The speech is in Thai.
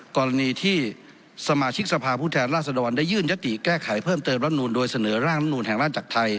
กรณีที่สมาชิกสภาพผู้แทนราชดรได้ยื่นยติแก้ไขเพิ่มเติมรัฐนูลโดยเสนอร่างลำนูลแห่งราชจักรไทย